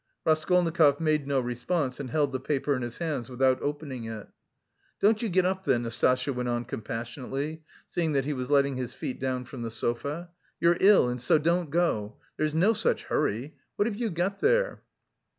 Raskolnikov made no response and held the paper in his hands, without opening it. "Don't you get up then," Nastasya went on compassionately, seeing that he was letting his feet down from the sofa. "You're ill, and so don't go; there's no such hurry. What have you got there?"